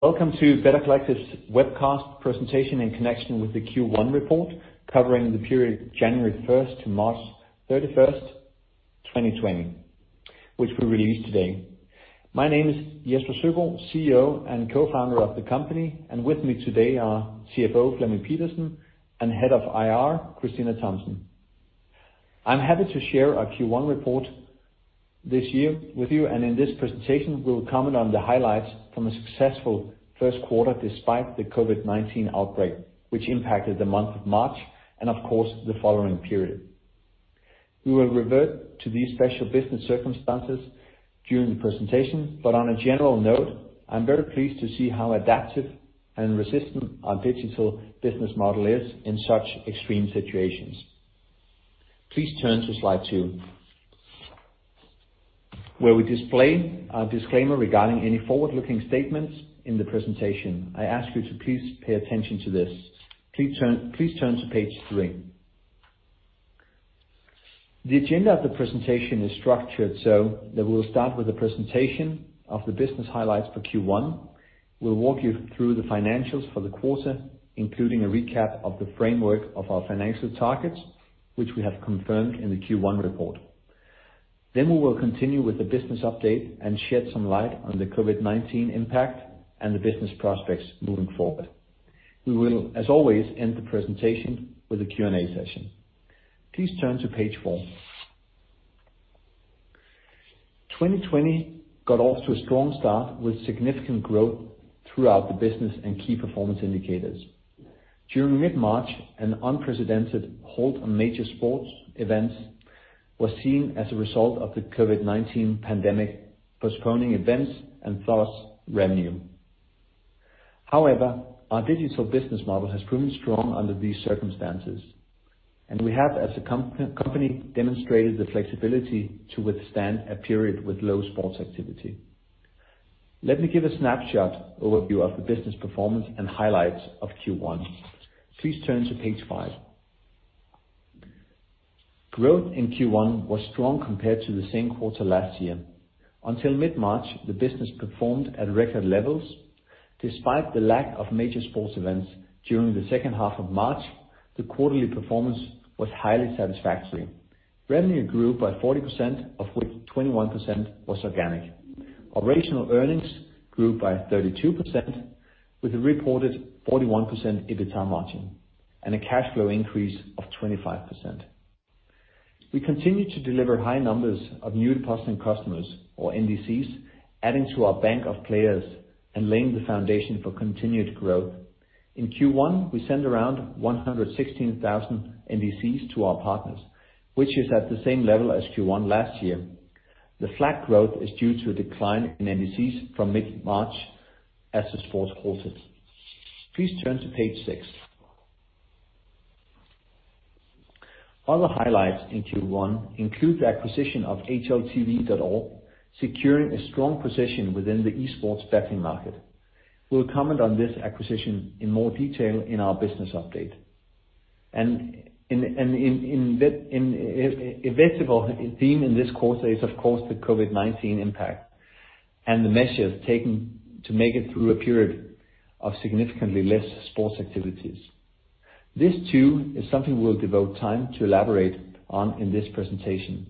Welcome to Better Collective's webcast presentation in connection with the Q1 report covering the period January 1st to March 31st, 2020, which we release today. My name is Jesper Søgaard, CEO and co-founder of the company, and with me today are CFO Flemming Pedersen and Head of IR, Christina Thomsen. I'm happy to share our Q1 report this year with you, and in this presentation, we'll comment on the highlights from a successful first quarter despite the COVID-19 outbreak, which impacted the month of March and of course, the following period. We will revert to these special business circumstances during the presentation, but on a general note, I'm very pleased to see how adaptive and resistant our digital business model is in such extreme situations. Please turn to slide two, where we display our disclaimer regarding any forward-looking statements in the presentation. I ask you to please pay attention to this. Please turn to page three. The agenda of the presentation is structured so that we'll start with a presentation of the business highlights for Q1. We'll walk you through the financials for the quarter, including a recap of the framework of our financial targets, which we have confirmed in the Q1 report. We will continue with the business update and shed some light on the COVID-19 impact and the business prospects moving forward. We will, as always, end the presentation with a Q&A session. Please turn to page four. 2020 got off to a strong start with significant growth throughout the business and key performance indicators. During mid-March, an unprecedented halt on major sports events was seen as a result of the COVID-19 pandemic, postponing events and thus revenue. However, our digital business model has proven strong under these circumstances, and we have, as a company, demonstrated the flexibility to withstand a period with low sports activity. Let me give a snapshot overview of the business performance and highlights of Q1. Please turn to page five. Growth in Q1 was strong compared to the same quarter last year. Until mid-March, the business performed at record levels. Despite the lack of major sports events during the second half of March, the quarterly performance was highly satisfactory. Revenue grew by 40%, of which 21% was organic. Operational earnings grew by 32% with a reported 41% EBITDA margin and a cash flow increase of 25%. We continue to deliver high numbers of new depositing customers or NDCs, adding to our bank of players and laying the foundation for continued growth. In Q1, we sent around 116,000 NDCs to our partners, which is at the same level as Q1 last year. The flat growth is due to a decline in NDCs from mid-March as the sports halted. Please turn to page six. Other highlights in Q1 include the acquisition of HLTV.org, securing a strong position within the esports betting market. We'll comment on this acquisition in more detail in our business update. An inevitable theme in this quarter is of course the COVID-19 impact and the measures taken to make it through a period of significantly less sports activities. This too is something we'll devote time to elaborate on in this presentation.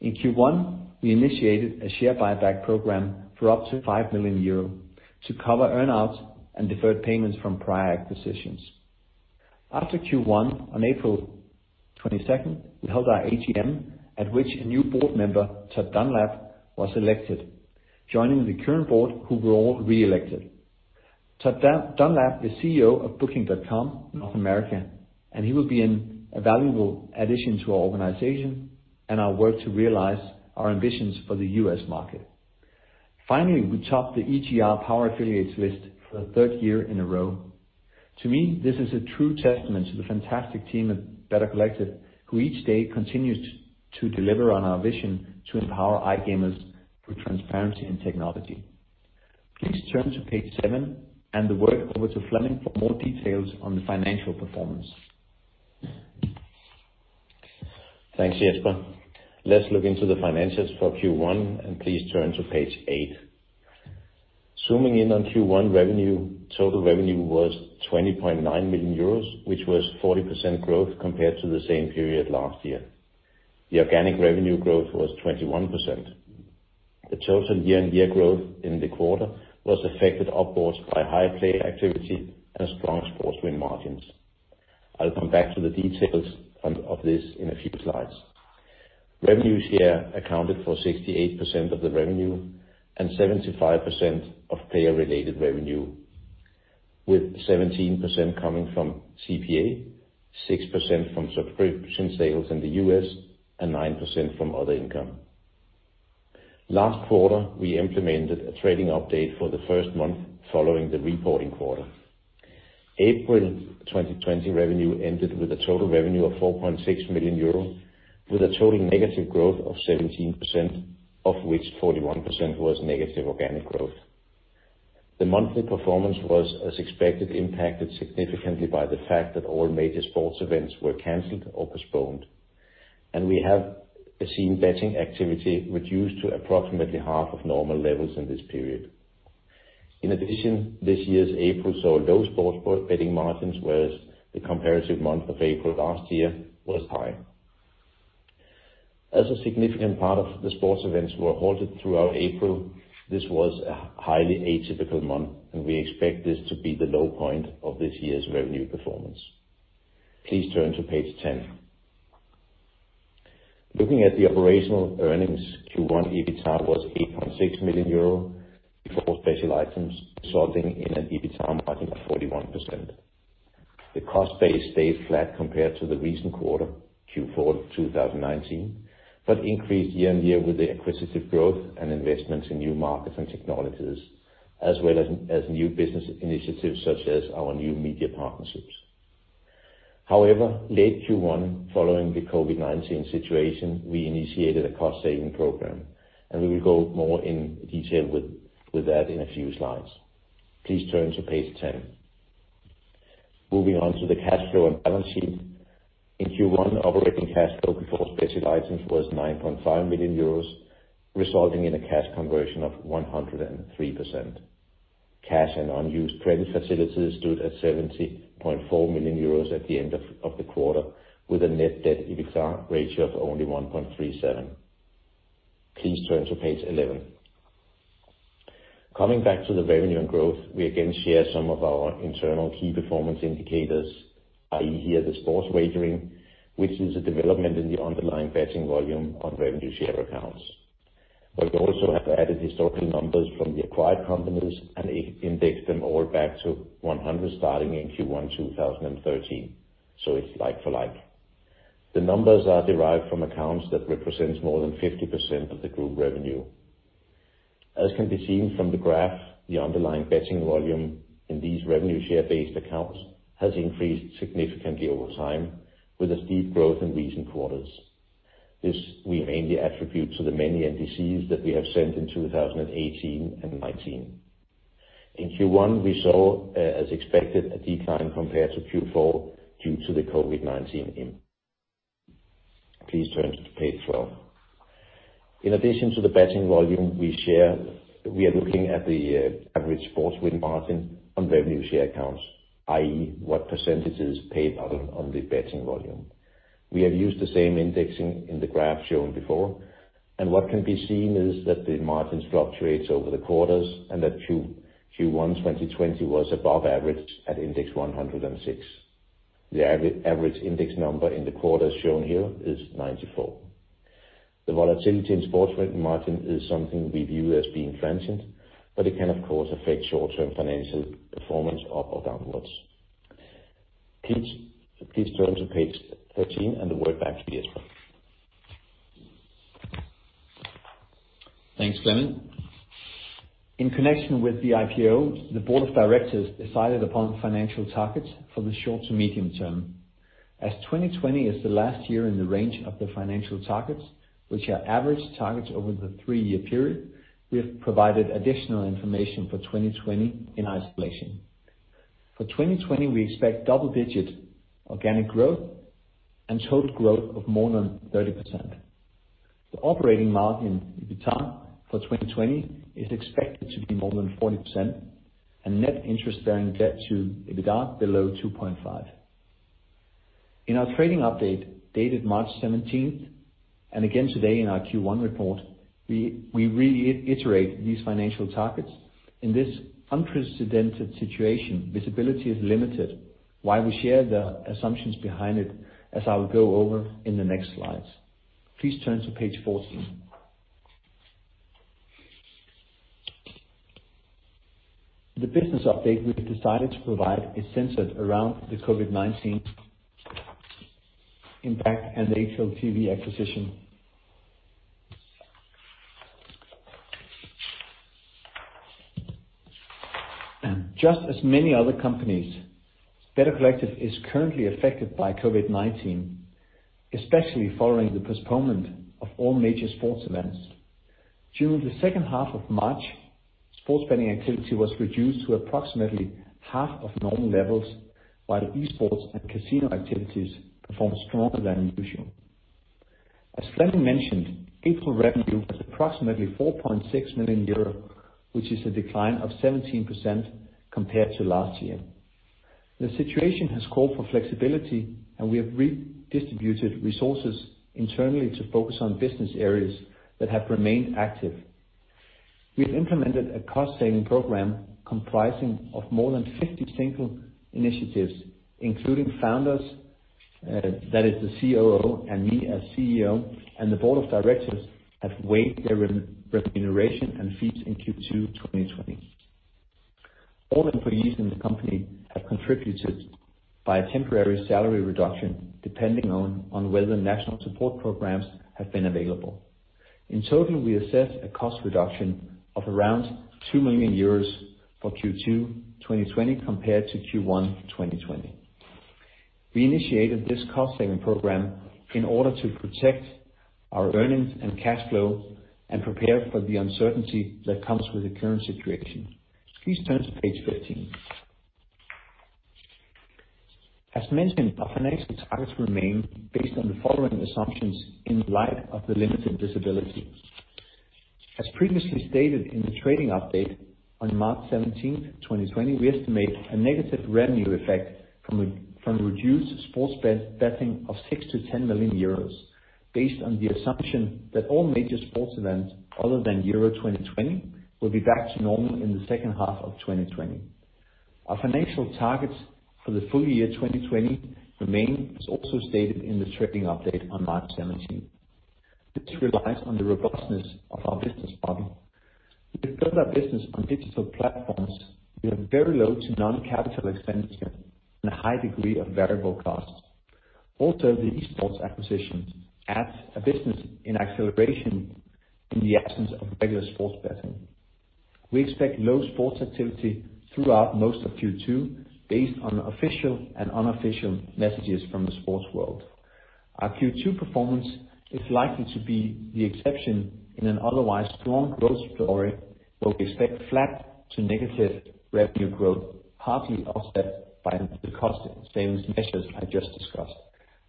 In Q1, we initiated a share buyback program for up to 5 million euro to cover earn-outs and deferred payments from prior acquisitions. After Q1, on April 22nd, we held our AGM, at which a new board member, Todd Dunlap, was elected, joining the current board, who were all re-elected. Todd Dunlap is CEO of Booking.com North America, and he will be a valuable addition to our organization and our work to realize our ambitions for the U.S. market. We topped the EGR Power Affiliates list for the third year in a row. To me, this is a true testament to the fantastic team at Better Collective, who each day continues to deliver on our vision to empower iGamers through transparency and technology. Please turn to page seven and the word over to Flemming for more details on the financial performance. Thanks, Jesper. Let's look into the financials for Q1. Please turn to page eight. Zooming in on Q1 revenue, total revenue was 20.9 million euros, which was 40% growth compared to the same period last year. The organic revenue growth was 21%. The total year-on-year growth in the quarter was affected upwards by high player activity and strong sports win margins. I'll come back to the details of this in a few slides. Revenue share accounted for 68% of the revenue and 75% of player-related revenue, with 17% coming from CPA, 6% from subscription sales in the U.S., and 9% from other income. Last quarter, we implemented a trading update for the first month following the reporting quarter. April 2020 revenue ended with a total revenue of 4.6 million euro with a total negative growth of 17%, of which 41% was negative organic growth. The monthly performance was, as expected, impacted significantly by the fact that all major sports events were canceled or postponed. We have seen betting activity reduced to approximately half of normal levels in this period. In addition, this year's April saw low sports betting margins, whereas the comparative month of April last year was high. As a significant part of the sports events were halted throughout April, this was a highly atypical month, and we expect this to be the low point of this year's revenue performance. Please turn to page 10. Looking at the operational earnings, Q1 EBITDA was 8.6 million euro before special items, resulting in an EBITDA margin of 41%. The cost base stayed flat compared to the recent quarter, Q4 2019, increased year-on-year with the acquisitive growth and investments in new markets and technologies, as well as new business initiatives such as our new media partnerships. However, late Q1, following the COVID-19 situation, we initiated a cost-saving program, we will go more in detail with that in a few slides. Please turn to page 10. Moving on to the cash flow and balance sheet. In Q1, operating cash flow before special items was 9.5 million euros, resulting in a cash conversion of 103%. Cash and unused credit facilities stood at 20.4 million euros at the end of the quarter, with a net debt-to-EBITDA ratio of only 1.37. Please turn to page 11. Coming back to the revenue and growth, we again share some of our internal key performance indicators, i.e. here the sports wagering, which is a development in the underlying betting volume on revenue share accounts. We also have added historical numbers from the acquired companies and indexed them all back to 100 starting in Q1 2013. It's like for like. The numbers are derived from accounts that represent more than 50% of the group revenue. As can be seen from the graph, the underlying betting volume in these revenue share-based accounts has increased significantly over time, with a steep growth in recent quarters. This we mainly attribute to the many NDCs that we have signed in 2018 and 2019. In Q1, we saw, as expected, a decline compared to Q4 due to the COVID-19 impact. Please turn to page 12. In addition to the betting volume we share, we are looking at the average sports win margin on revenue share accounts, i.e. What % is paid out on the betting volume. We have used the same indexing in the graph shown before, and what can be seen is that the margins fluctuate over the quarters and that Q1 2020 was above average at index 106. The average index number in the quarters shown here is 94. The volatility in sports win margin is something we view as being transient, but it can of course affect short-term financial performance up or downwards. Please turn to page 13 and the word back to Jesper. Thanks, Flemming. In connection with the IPO, the board of directors decided upon financial targets for the short to medium term. As 2020 is the last year in the range of the financial targets, which are average targets over the three-year period, we have provided additional information for 2020 in isolation. For 2020, we expect double-digit organic growth and total growth of more than 30%. The operating margin EBITDA for 2020 is expected to be more than 40% and net interest-bearing debt to EBITDA below 2.5. In our trading update dated March 17th, again today in our Q1 report, we reiterate these financial targets. In this unprecedented situation, visibility is limited, why we share the assumptions behind it, as I will go over in the next slides. Please turn to page 14. The business update we have decided to provide is centered around the COVID-19 impact and the HLTV acquisition. Just as many other companies, Better Collective is currently affected by COVID-19, especially following the postponement of all major sports events. During the second half of March, sports betting activity was reduced to approximately half of normal levels, while the esports and casino activities performed stronger than usual. As Flemming mentioned, April revenue was approximately 4.6 million euro, which is a decline of 17% compared to last year. The situation has called for flexibility, we have redistributed resources internally to focus on business areas that have remained active. We've implemented a cost-saving program comprising of more than 50 single initiatives, including founders, that is the COO and me as CEO, and the board of directors have waived their remuneration and fees in Q2 2020. All employees in the company have contributed by a temporary salary reduction, depending on whether national support programs have been available. In total, we assess a cost reduction of around 2 million euros for Q2 2020 compared to Q1 2020. We initiated this cost-saving program in order to protect our earnings and cash flow and prepare for the uncertainty that comes with the current situation. Please turn to page 15. As mentioned, our financial targets remain based on the following assumptions in light of the limited visibility. As previously stated in the trading update on March 17th, 2020, we estimate a negative revenue effect from reduced sports betting of 6 million-10 million euros, based on the assumption that all major sports events other than Euro 2020 will be back to normal in the second half of 2020. Our financial targets for the full year 2020 remain, as also stated in the trading update on March 17th. This relies on the robustness of our business model. With built-up business on digital platforms, we have very low to non-capital expenditure and a high degree of variable costs. Also, the esports acquisition adds a business in acceleration in the absence of regular sports betting. We expect low sports activity throughout most of Q2, based on official and unofficial messages from the sports world. Our Q2 performance is likely to be the exception in an otherwise strong growth story, where we expect flat to negative revenue growth, partly offset by the cost savings measures I just discussed.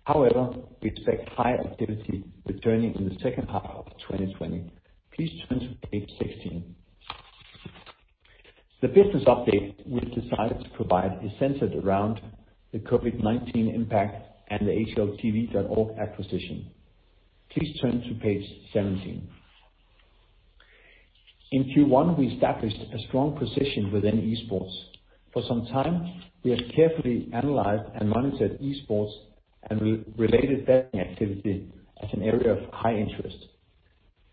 However, we expect high activity returning in the second half of 2020. Please turn to page 16. The business update we've decided to provide is centered around the COVID-19 impact and the HLTV.org acquisition. Please turn to page 17. In Q1, we established a strong position within esports. For some time, we have carefully analyzed and monitored esports and related betting activity as an area of high interest.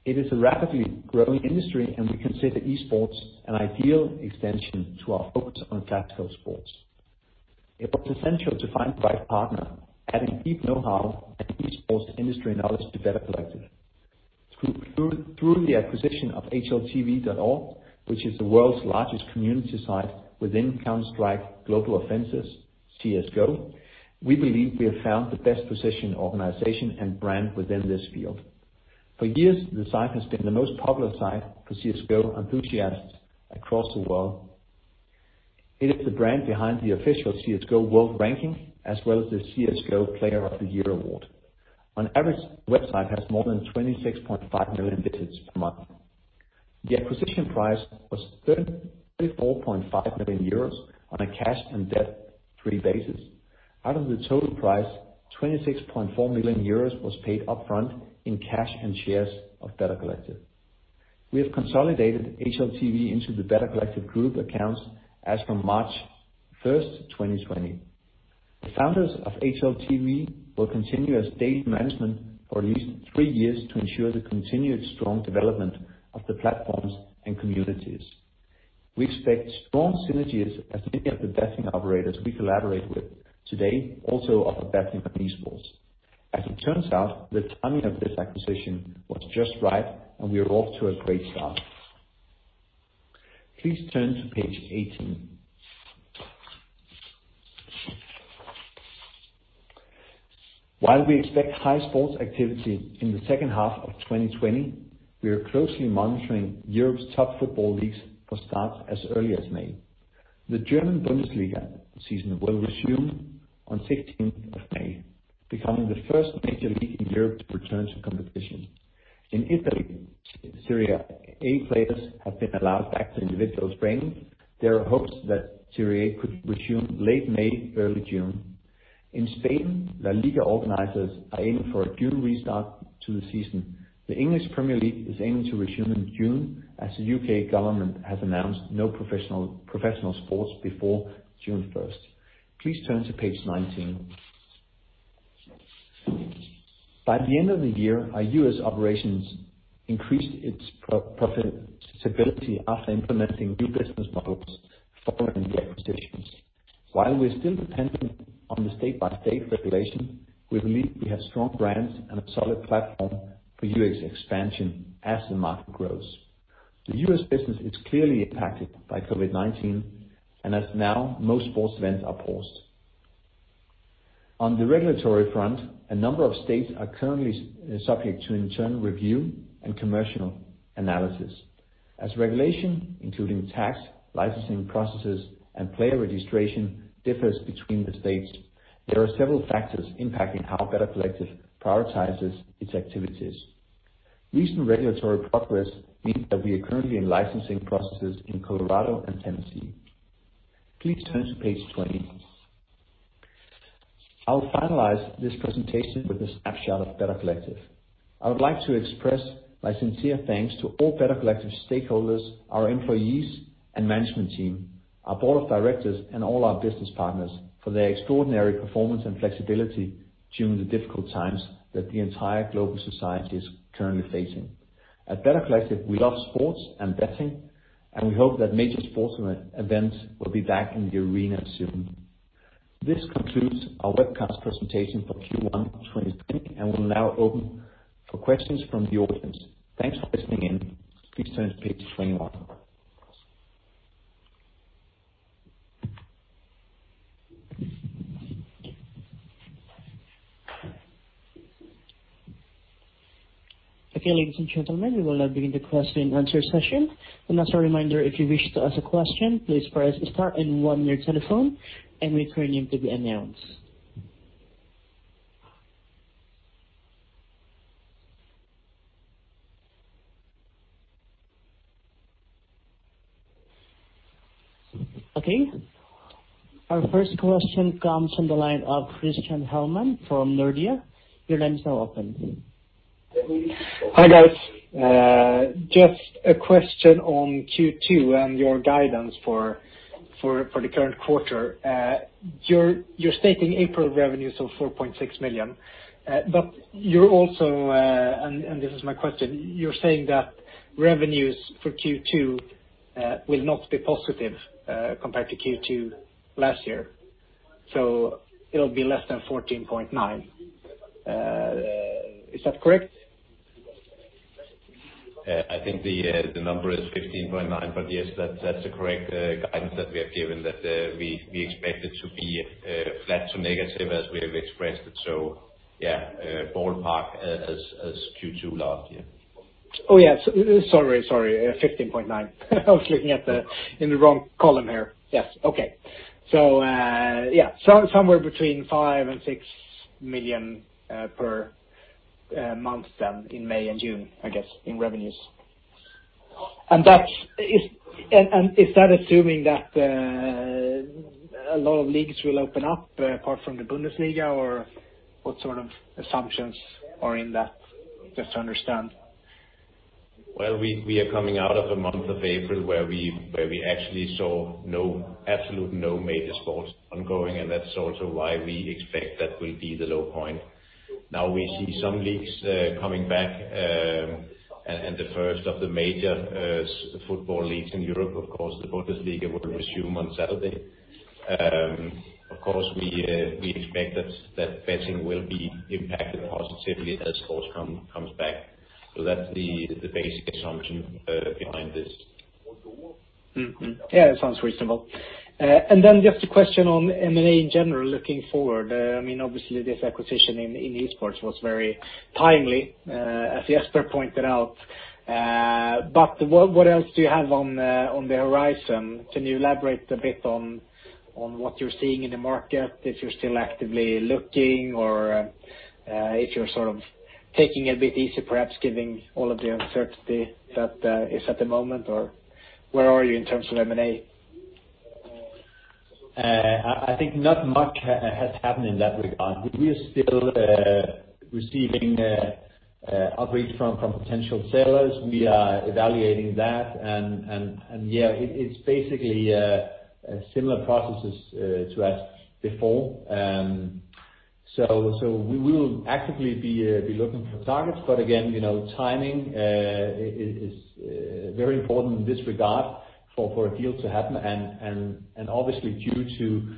It is a rapidly growing industry, and we consider esports an ideal extension to our focus on traditional sports. It was essential to find the right partner, adding deep know-how and esports industry knowledge to Better Collective. Through the acquisition of HLTV.org, which is the world's largest community site within Counter-Strike: Global Offensive, CS:GO, we believe we have found the best-positioned organization and brand within this field. For years, the site has been the most popular site for CS:GO enthusiasts across the world. It is the brand behind the official CS:GO World ranking, as well as the CS:GO Player of the Year award. On average, the website has more than 26.5 million visits per month. The acquisition price was 34.5 million euros on a cash and debt-free basis. Out of the total price, 26.4 million euros was paid upfront in cash and shares of Better Collective. We have consolidated HLTV into the Better Collective group accounts as from March 1st, 2020. The founders of HLTV will continue as day-to-day management for at least three years to ensure the continued strong development of the platforms and communities. We expect strong synergies as many of the betting operators we collaborate with today also offer betting on esports. As it turns out, the timing of this acquisition was just right, and we are off to a great start. Please turn to page 18. While we expect high sports activity in the second half of 2020, we are closely monitoring Europe's top football leagues for start as early as May. The German Bundesliga season will resume on 16th of May, becoming the first major league in Europe to return to competition. In Italy, Serie A players have been allowed back to individual training. There are hopes that Serie A could resume late May, early June. In Spain, La Liga organizers are aiming for a June restart to the season. The English Premier League is aiming to resume in June, as the U.K. government has announced no professional sports before June 1st. Please turn to page 19. By the end of the year, our U.S. operations increased its profitability after implementing new business models following the acquisitions. While we're still dependent on the state-by-state regulation, we believe we have strong brands and a solid platform for U.S. expansion as the market grows. The U.S. business is clearly impacted by COVID-19, and as of now, most sports events are paused. On the regulatory front, a number of states are currently subject to internal review and commercial analysis. As regulation, including tax, licensing processes, and player registration differs between the states, there are several factors impacting how Better Collective prioritizes its activities. Recent regulatory progress means that we are currently in licensing processes in Colorado and Tennessee. Please turn to page 20. I'll finalize this presentation with a snapshot of Better Collective. I would like to express my sincere thanks to all Better Collective stakeholders, our employees and management team, our board of directors, and all our business partners for their extraordinary performance and flexibility during the difficult times that the entire global society is currently facing. At Better Collective, we love sports and betting, and we hope that major sports events will be back in the arena soon. This concludes our webcast presentation for Q1 2020, and we'll now open for questions from the audience. Thanks for listening in. Please turn to page 21. Okay, ladies and gentlemen, we will now begin the question and answer session. As a reminder, if you wish to ask a question, please press star and one on your telephone and we turn you to be announced. Okay. Our first question comes from the line of Christian Hellman from Nordea. Your line is now open. Hi, guys. Just a question on Q2 and your guidance for the current quarter. You're stating April revenues of 4.6 million. You're also, and this is my question, you're saying that revenues for Q2 will not be positive compared to Q2 last year, so it'll be less than 14.9. Is that correct? I think the number is 15.9, but yes, that's the correct guidance that we have given that we expect it to be flat to negative as we have expressed it. Yeah, ballpark as Q2 last year. Yeah. Sorry, 15.9. I was looking in the wrong column here. Yes. Okay. Yeah, somewhere between 5 million and 6 million per month then in May and June, I guess, in revenues. Is that assuming that a lot of leagues will open up apart from the Bundesliga, or what sort of assumptions are in that, just to understand? Well, we are coming out of a month of April where we actually saw absolute no major sports ongoing. That's also why we expect that will be the low point. Now we see some leagues coming back. The first of the major football leagues in Europe, of course, the Bundesliga, will resume on Saturday. Of course, we expect that betting will be impacted positively as sports comes back. That's the basic assumption behind this. Yeah, that sounds reasonable. Just a question on M&A in general looking forward. Obviously, this acquisition in esports was very timely as Jesper pointed out. What else do you have on the horizon? Can you elaborate a bit on what you're seeing in the market, if you're still actively looking, or if you're sort of taking it a bit easy, perhaps given all of the uncertainty that is at the moment or where are you in terms of M&A? I think not much has happened in that regard. We are still receiving outreach from potential sellers. We are evaluating that, and yeah, it is basically similar processes to as before. We will actively be looking for targets, but again, timing is very important in this regard for a deal to happen, and obviously due to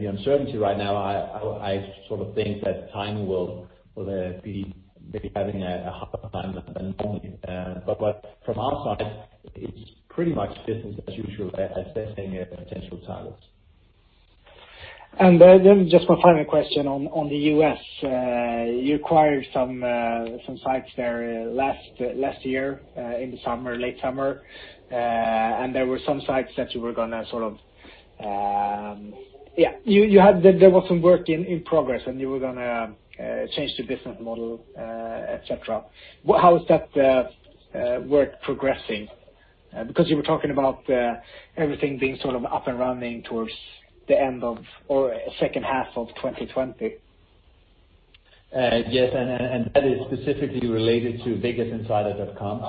the uncertainty right now, I sort of think that timing will be maybe having a harder time than normal. From our side, it's pretty much business as usual assessing potential targets. Then just one final question on the U.S. You acquired some sites there last year in the late summer. There were some sites that you were going to, there was some work in progress, and you were going to change the business model, et cetera. How is that work progressing? Because you were talking about everything being sort of up and running towards the end of, or second half of 2020. Yes, and that is specifically related to VegasInsider.com.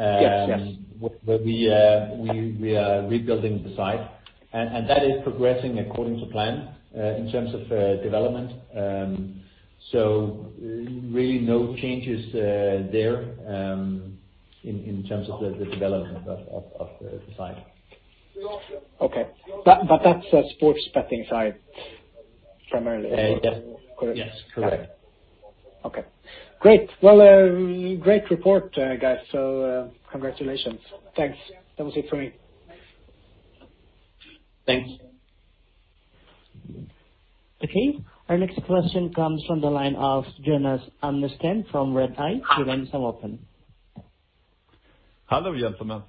Yes. Where we are rebuilding the site, and that is progressing according to plan in terms of development. Really no changes there in terms of the development of the site. Okay. That's a sports betting site primarily. Yeah. Correct. Yes, correct. Okay. Great. Well, great report guys, congratulations. Thanks. That was it for me. Thanks. Okay. Our next question comes from the line of Jonas Amnesten from Redeye. Your lines are open. Hello, gentlemen.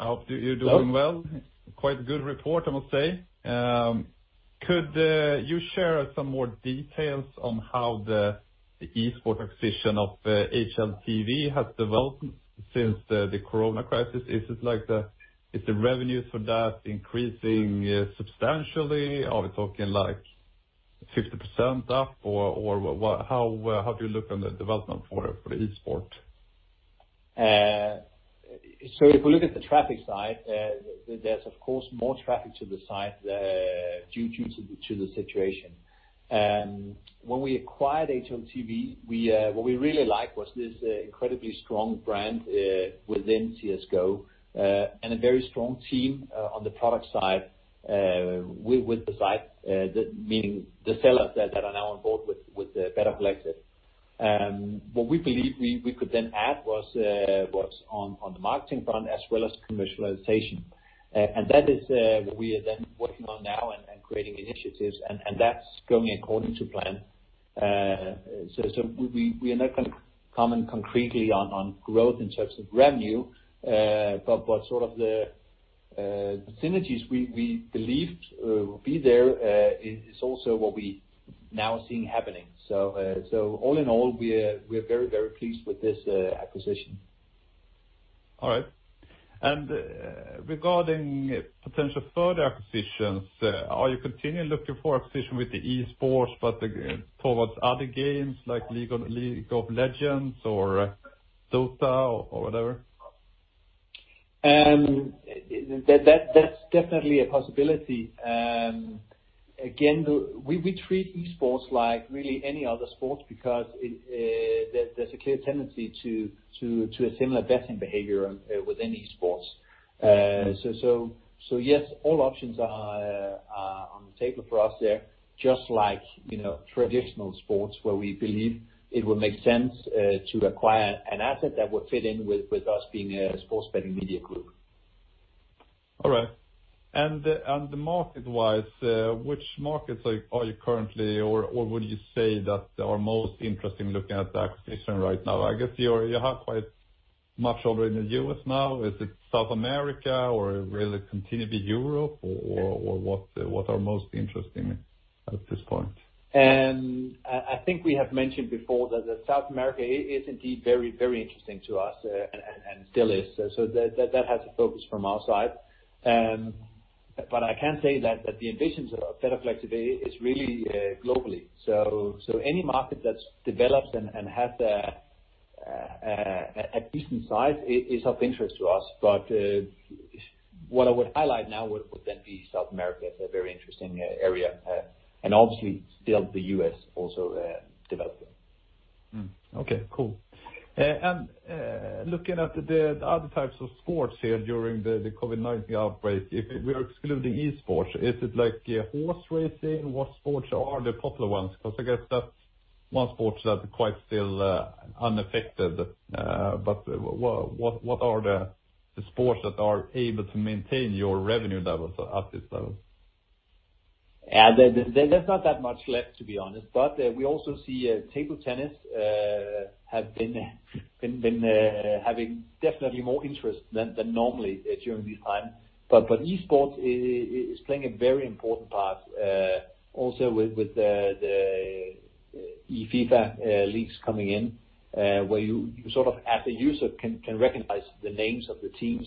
I hope you're doing well. Quite a good report, I must say. Could you share some more details on how the esports acquisition of HLTV has developed since the corona crisis? Is the revenue for that increasing substantially? Are we talking 50% up, or how do you look on the development for the esport? If we look at the traffic side, there is of course more traffic to the site due to the situation. When we acquired HLTV, what we really liked was this incredibly strong brand within CS:GO, and a very strong team on the product side with the site, meaning the sellers that are now on board with Better Collective. What we believe we could then add was on the marketing front as well as commercialization. That is what we are then working on now and creating initiatives, and that is going according to plan. We are not going to comment concretely on growth in terms of revenue, but the synergies we believed will be there is also what we now are seeing happening. All in all, we are very pleased with this acquisition. All right. Regarding potential further acquisitions, are you continuing looking for acquisition with the esports, but towards other games like "League of Legends" or "Dota" or whatever? That's definitely a possibility. Again, we treat esports like really any other sport because there's a clear tendency to a similar betting behavior within esports. Yes, all options are on the table for us there, just like traditional sports where we believe it will make sense to acquire an asset that will fit in with us being a sports betting media group. All right. Market-wise, which markets are you currently, or would you say that are most interesting looking at the acquisition right now? I guess you have quite much over in the U.S. now. Is it South America or will it continue to be Europe or what are most interesting at this point? I think we have mentioned before that the South America is indeed very interesting to us and still is. That has a focus from our side. I can say that the ambitions of Better Collective is really globally. Any market that's developed and has a decent size is of interest to us. What I would highlight now would then be South America as a very interesting area, and obviously still the U.S. also developing. Okay, cool. Looking at the other types of sports here during the COVID-19 outbreak, if we are excluding esports, is it horse racing? What sports are the popular ones? I guess that's one sport that are quite still unaffected. What are the sports that are able to maintain your revenue levels at this level? There's not that much left, to be honest. We also see table tennis have been having definitely more interest than normally during this time. Esports is playing a very important part, also with the FIFAe leagues coming in, where you sort of, as a user, can recognize the names of the teams.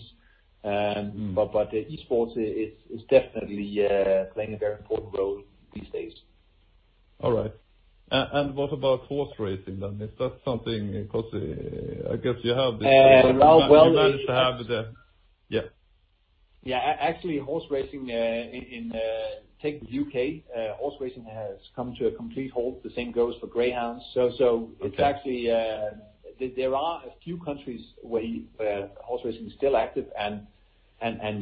Esports is definitely playing a very important role these days. All right. What about horse racing, then? Is that something, because I guess you have the- Well- You managed to have the. Yeah. Yeah, actually horse racing in, take the U.K., horse racing has come to a complete halt. The same goes for greyhounds. Okay. There are a few countries where horse racing is still active, and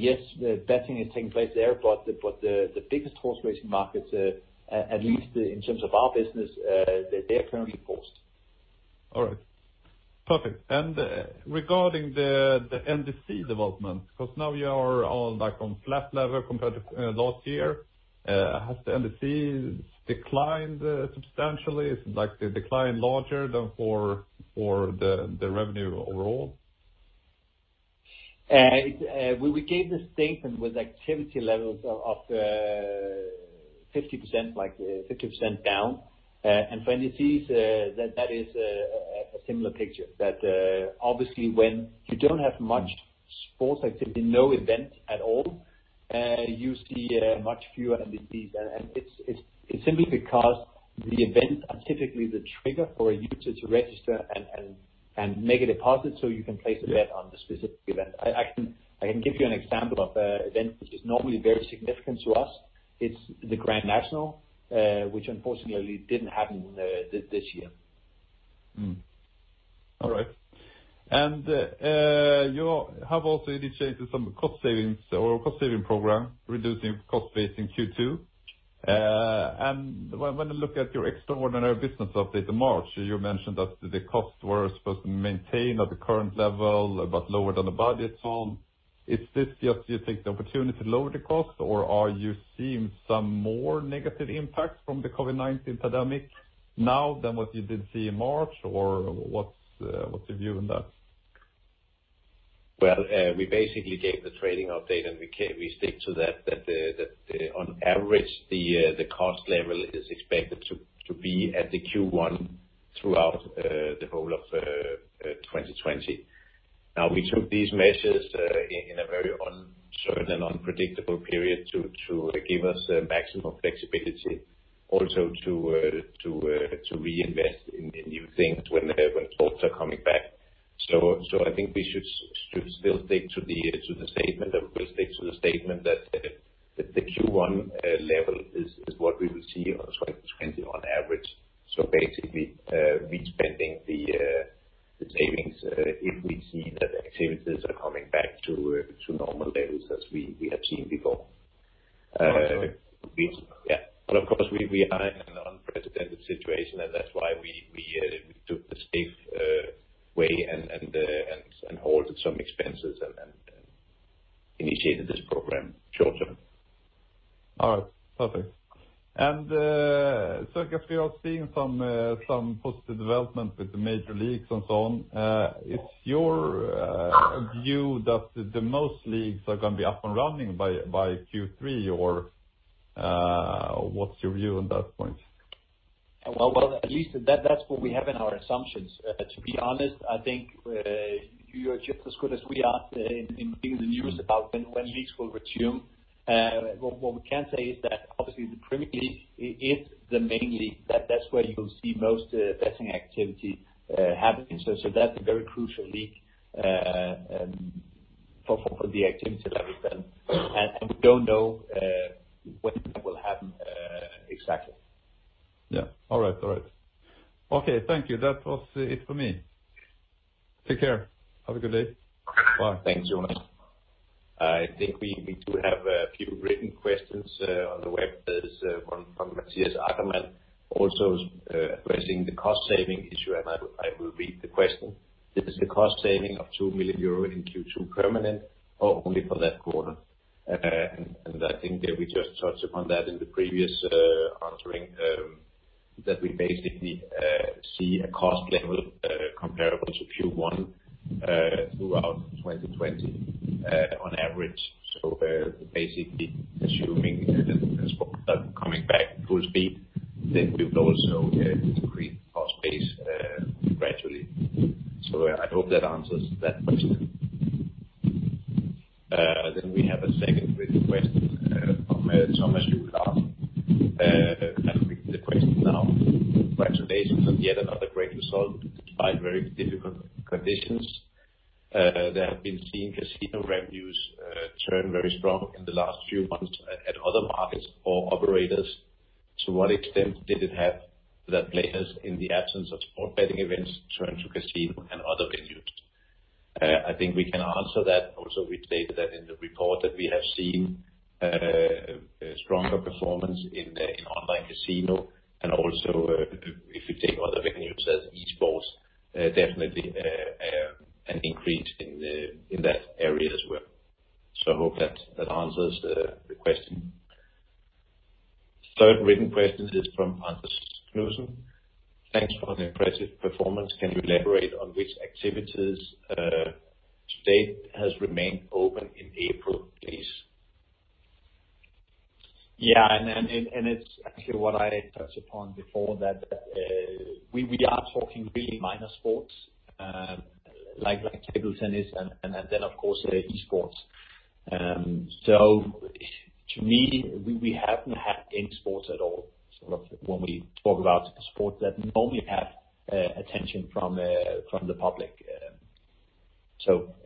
yes, the betting is taking place there, but the biggest horse racing markets, at least in terms of our business, they are currently paused. All right. Perfect. Regarding the NDC development, because now you are all back on flat level compared to last year. Has the NDC declined substantially? Is the decline larger than for the revenue overall? We gave the statement with activity levels of 50% down. For NDC that is a similar picture that obviously when you don't have much sports activity, no event at all, you see much fewer NDCs. It's simply because the events are typically the trigger for a user to register and make a deposit so you can place a bet on the specific event. I can give you an example of an event which is normally very significant to us. It's the Grand National, which unfortunately didn't happen this year. All right. You have also initiated some cost savings or cost-saving program, reducing cost base in Q2. When I look at your extraordinary business update in March, you mentioned that the costs were supposed to maintain at the current level, but lower than the budget. Is this just you take the opportunity to lower the cost, or are you seeing some more negative impact from the COVID-19 pandemic now than what you did see in March? What's your view on that? Well, we basically gave the trading update and we stick to that on average, the cost level is expected to be at the Q1 throughout the whole of 2020. Now we took these measures in a very uncertain and unpredictable period to give us maximum flexibility, also to reinvest in new things when sports are coming back. I think we should still stick to the statement that the Q1 level is what we will see on 2020 on average. Basically, we're spending the savings if we see that activities are coming back to normal levels as we have seen before. Okay. Yeah. Of course, we are in an unprecedented situation, and that's why we took the safe way and halted some expenses and initiated this program short term. All right, perfect. I guess we are seeing some positive development with the major leagues and so on. It's your view that the most leagues are going to be up and running by Q3, or what's your view on that point? At least that's what we have in our assumptions. To be honest, I think you are just as good as we are in reading the news about when leagues will resume. What we can say is that obviously the Premier League is the main league. That's where you will see most betting activity happening. That's a very crucial league for the activity level then. We don't know when that will happen exactly. Yeah. All right. Okay. Thank you. That was it for me. Take care. Have a good day. Bye. Thanks, Jonas. I think we do have a few written questions on the web. There is one from Matias Aggerman also addressing the cost-saving issue. I will read the question. Is the cost saving of 2 million euro in Q2 permanent or only for that quarter? I think that we just touched upon that in the previous answering, that we basically see a cost level comparable to Q1 throughout 2020 on average. Basically assuming that sports are coming back full speed, we will also decrease cost base gradually. I hope that answers that question. We have a second written question from Thomas Jul Larsen. I'll read the question now. Congratulations on yet another great result despite very difficult conditions. There have been seen casino revenues turn very strong in the last few months at other markets for operators. To what extent did it have that players, in the absence of sports betting events, turn to casino and other venues? I think we can answer that. We stated that in the report that we have seen a stronger performance in online casino and also if you take other venues as esports, definitely an increase in that area as well. I hope that answers the question. 3rd written question is from Anders Knudsen. Thanks for the impressive performance. Can you elaborate on which activities to date has remained open in April, please? It's actually what I touched upon before, that we are talking really minor sports, like table tennis and then of course esports. To me, we haven't had any sports at all, sort of when we talk about sports that normally have attention from the public.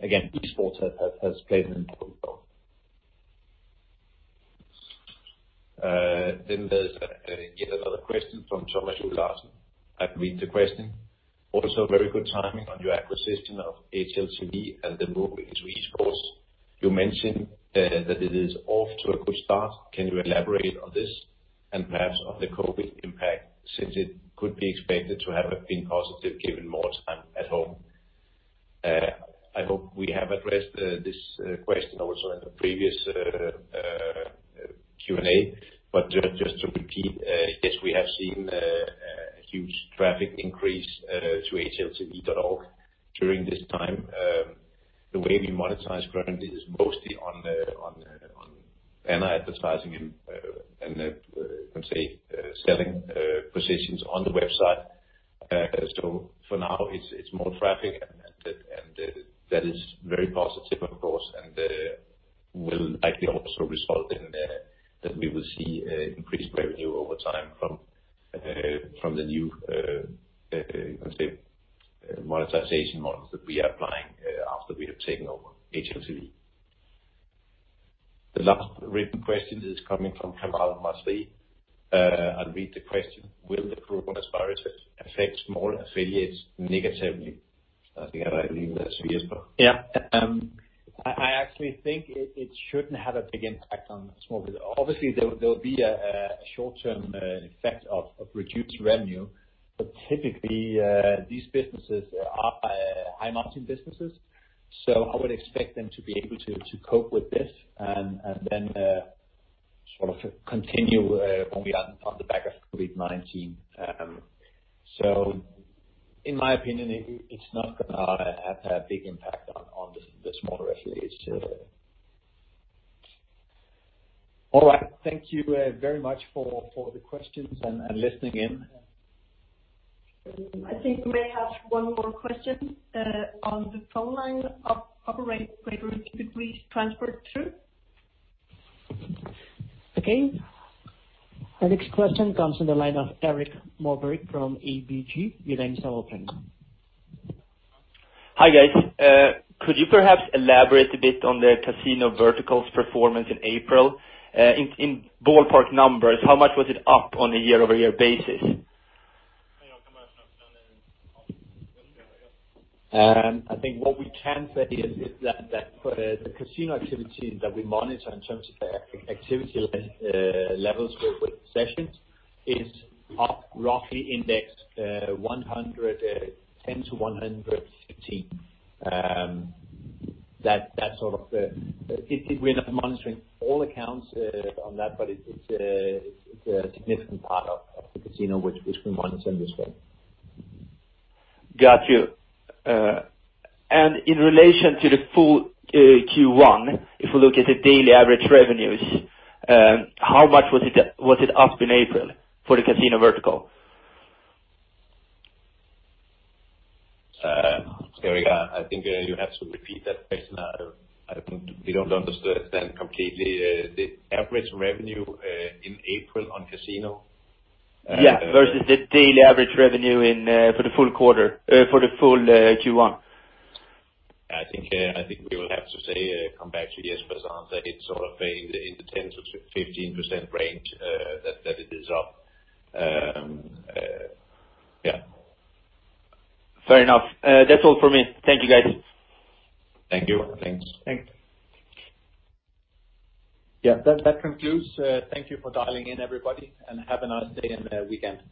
Again, esports has played an important role. There's yet another question from Thomas Jul Larsen. I'll read the question. Also, very good timing on your acquisition of HLTV and the move into esports. You mentioned that it is off to a good start. Can you elaborate on this and perhaps on the COVID-19 impact, since it could be expected to have been positive given more time at home? I hope we have addressed this question also in the previous Q&A. Just to repeat, yes, we have seen a huge traffic increase to hltv.org during this time. The way we monetize currently is mostly on banner advertising and, you can say, selling positions on the website. For now it's more traffic and that is very positive, of course, and will likely also result in that we will see increased revenue over time from the new, you can say, monetization models that we are applying after we have taken over HLTV. The last written question is coming from Kemal Mazri. I'll read the question. Will the coronavirus affect small affiliates negatively? I believe that's yes. Yeah. I actually think it shouldn't have a big impact on small business. Obviously, there will be a short-term effect of reduced revenue, but typically these businesses are high-margin businesses, so I would expect them to be able to cope with this and then sort of continue when we are on the back of COVID-19. In my opinion, it's not going to have a big impact on the smaller affiliates. All right. Thank you very much for the questions and listening in. I think we may have one more question on the phone line Operator. Could we transfer it through? Okay. Our next question comes from the line of Erik Moberg from ABG. Your line is now open. Hi, guys. Could you perhaps elaborate a bit on the casino verticals performance in April? In ballpark numbers, how much was it up on a year-over-year basis? I think what we can say is that for the casino activities that we monitor in terms of the activity levels with sessions is up roughly indexed 110 to 115. We're not monitoring all accounts on that, but it's a significant part of the casino which we monitor in this way. Got you. In relation to the full Q1, if we look at the daily average revenues, how much was it up in April for the casino vertical? Erik, I think you have to repeat that question. We don't understand completely. The average revenue in April on casino? Yeah. Versus the daily average revenue for the full Q1. I think we will have to say, come back to you, [Erik Moberg], that it's sort of a 10%-15% range that it is up. Yeah. Fair enough. That's all from me. Thank you, guys. Thank you. Thanks. Thanks. Yeah, that concludes. Thank you for dialing in, everybody, and have a nice day and weekend.